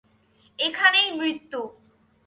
এখানেই মৃত্যু।